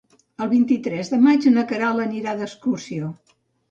El vint-i-tres de maig na Queralt anirà d'excursió.